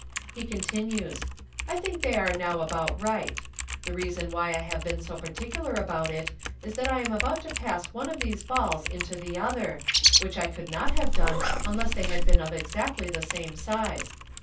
He continues, "I think they are now about right. The reason why I have been so particular about it is that 1 am about to pass one of these balls into the other, which I could not have done un less they had been of exactly the same size.